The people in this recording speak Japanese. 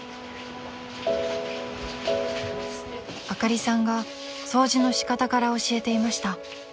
［あかりさんが掃除の仕方から教えていました］